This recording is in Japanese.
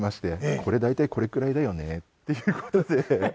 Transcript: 「これ大体これくらいだよね」っていう事で。